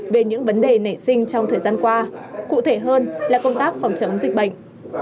về những vấn đề nảy sinh trong thời gian qua cụ thể hơn là công tác phòng chống dịch bệnh